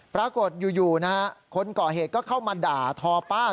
ปรากฏอยู่นะฮะคนก่อเหตุก็เข้ามาด่าทอป้า